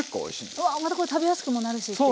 うわまたこれ食べやすくもなるしっていう。